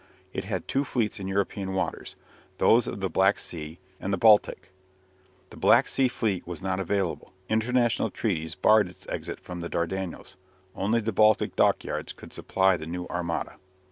It had two fleets in European waters, those of the Black Sea and the Baltic. The Black Sea fleet was not available. International treaties barred its exit from the Dardanelles. Only the Baltic dockyards could supply the new armada.